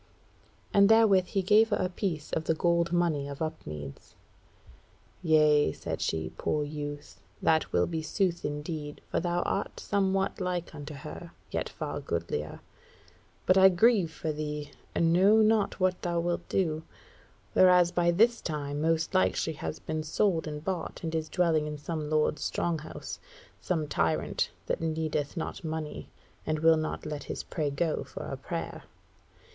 And therewith he gave her a piece of the gold money of Upmeads. "Yea," said she, "poor youth; that will be sooth indeed, for thou art somewhat like unto her, yet far goodlier. But I grieve for thee, and know not what thou wilt do; whereas by this time most like she has been sold and bought and is dwelling in some lord's strong house; some tyrant that needeth not money, and will not let his prey go for a prayer.